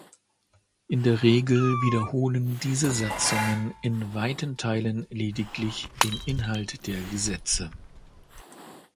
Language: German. In der Regel wiederholen diese Satzungen in weiten Teilen lediglich den Inhalt der Gesetze.